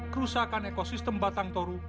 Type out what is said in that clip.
kerusakan ekosistem batang toru